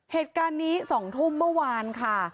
เหตุการณ์นี้๒ทุ่มเมื่อวานค่ะ